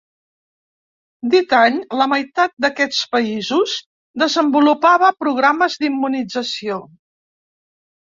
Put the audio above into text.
Dit any, la meitat d'aquests països desenvolupava programes d'immunització.